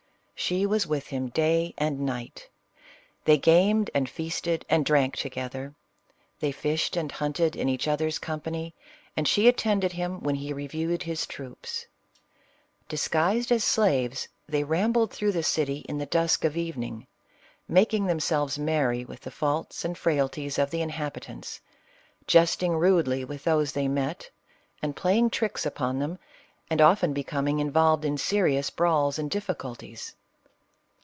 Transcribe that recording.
She was with him day and night. They gamed, and feasted, and drank together. They fished and hunted in each other's company, and she attended him when he reviewed his troops. Disguised as slaves, they rambled through the city in the dusk of evening, making themselves merry with the faults and frailties of the inhabitants, jesting rudely with those they met, and playing tricks upon them, and often becoming in volved in serious brawls and difficulties.